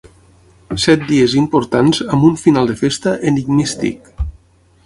Set dies importants amb un final de festa enigmístic.